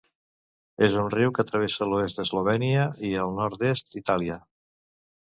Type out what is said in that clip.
És un riu que travessa l'oest d'Eslovènia i el nord-est d'Itàlia.